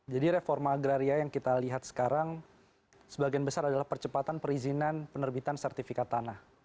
jadi reforma agraria yang kita lihat sekarang sebagian besar adalah percepatan perizinan penerbitan sertifikat tanah